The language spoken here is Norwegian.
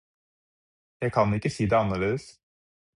Jeg kan ikke si det annerledes.